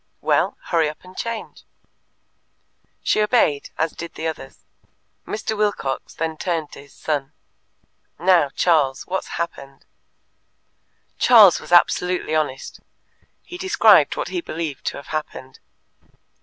"Well, hurry up and change." She obeyed, as did the others. Mr. Wilcox then turned to his son. "Now, Charles, what's happened?" Charles was absolutely honest. He described what he believed to have happened.